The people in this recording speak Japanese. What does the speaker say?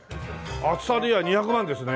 厚さで言えば２００万ですね。